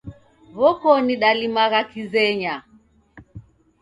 W'okoni dalimagha kizenya